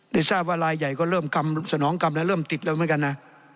ได้ทราบว่าลายใหญ่ก็เริ่มกำสนองกรรมแล้วเริ่มติดแล้วเหมือนกันนะ